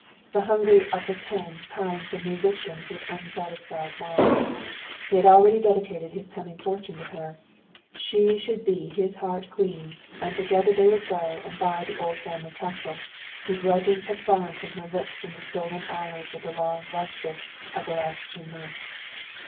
The hungry "upper ten" pine for new victims with unsatisfied maw. He had already dedicated his coming fortune to her; she should be his heart queen, and together they would go back and buy the old family castle, whose legends had fallen from her lips in the stolen hours of the long love trysts of the last two months.